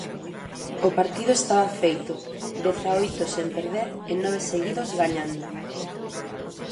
O partido estaba feito; dezaoito sen perder e nove seguidos gañando.